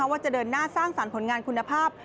ว่าจะเดินหน้าสร้างสรรค์ผลงานคุณภาพ